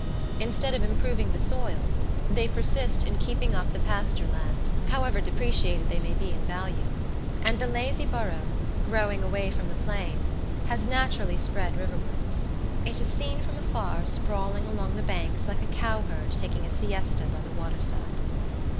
Instead of improving the soil, they persist in keeping up the pasture lands, however depreciated they may be in value, and the lazy borough, growing away from the plain, has naturally spread riverwards. It is seem from afar sprawling along the banks like a cowherd taking a siesta by the water side.